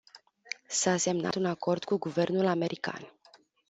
S-a semnat un acord cu guvernul american.